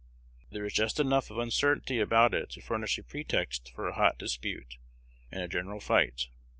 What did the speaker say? There was just enough of uncertainty about it to furnish a pretext for a hot dispute and a general fight.